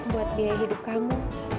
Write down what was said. buat biaya hidup kamu